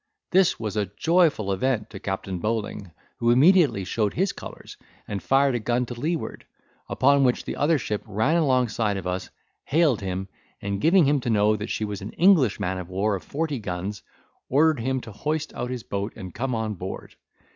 This was a joyful event to Captain Bowling, who immediately showed his colours, and fired a gun to leeward; upon which the other ship ran alongside of us, hailed him, and, giving him to know that she was an English man of war of forty guns, ordered him to hoist out his boat and come on board.